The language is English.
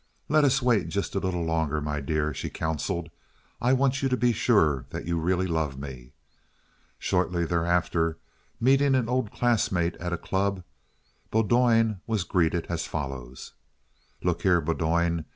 "Let us wait just a little longer, my dear," she counseled. "I want you to be sure that you really love me. Shortly thereafter, meeting an old classmate at a club, Bowdoin was greeted as follows: "Look here, Bowdoin.